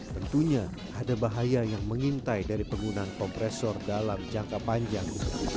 tentunya ada bahaya yang mengintai dari penggunaan kompresor dalam jangka panjang